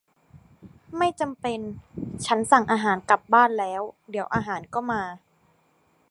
ไม่จำเป็น ฉันสั่งอาหารกลับบ้านแล้ว เดี๋ยวอาหารก็มา